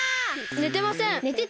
ねてません！